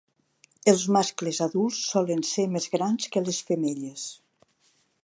Els mascles adults solen ser més grans que les femelles.